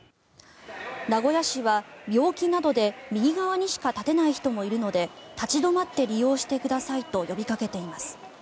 名古屋市は病気などで右側にしか立てない人もいるので立ち止まって利用してくださいと呼びかけています。